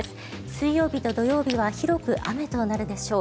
水曜日と土曜日は広く雨となるでしょう。